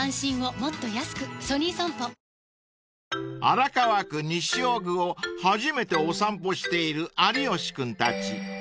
［荒川区西尾久を初めてお散歩している有吉君たち］